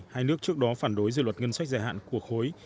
hai nước trước đó phản đối dự luật ngân sách dài hạn của khối